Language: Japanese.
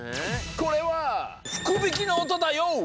これはふくびきのおとだＹＯ！